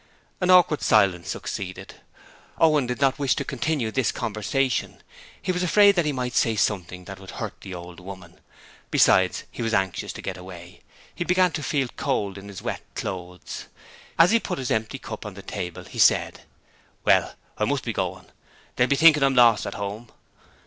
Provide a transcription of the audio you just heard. An awkward silence succeeded. Owen did not wish to continue this conversation: he was afraid that he might say something that would hurt the old woman. Besides, he was anxious to get away; he began to feel cold in his wet clothes. As he put his empty cup on the table he said: 'Well, I must be going. They'll be thinking I'm lost, at home.'